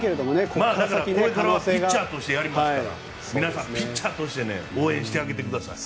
ここからはピッチャーとしてやりますから皆さんピッチャーとして応援してあげてください。